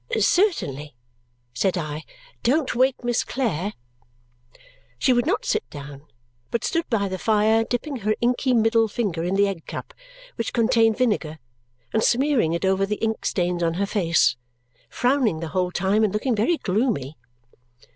"Certainly," said I. "Don't wake Miss Clare." She would not sit down, but stood by the fire dipping her inky middle finger in the egg cup, which contained vinegar, and smearing it over the ink stains on her face, frowning the whole time and looking very gloomy.